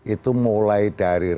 itu mulai dari rakyat